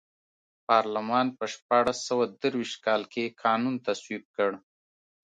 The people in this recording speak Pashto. پارلمان په شپاړس سوه درویشت کال کې قانون تصویب کړ.